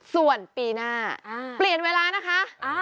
ส่วนปีหน้าเปลี่ยนเวลานะคะ